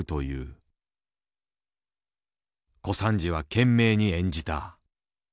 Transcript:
小三治は懸命に演じた。